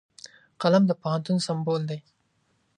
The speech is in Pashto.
قلم د پوهنتون سمبول دی